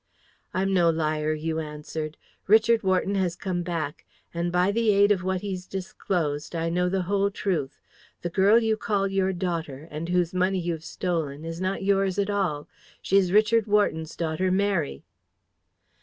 "'I'm no liar,' you answered. 'Richard Wharton has come back. And by the aid of what he's disclosed, I know the whole truth. The girl you call your daughter, and whose money you've stolen, is not yours at all. She's Richard Wharton's daughter Mary!'